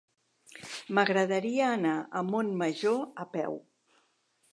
M'agradaria anar a Montmajor a peu.